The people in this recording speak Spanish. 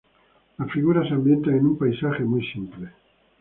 Las figuras se ambientan en un paisaje muy simple.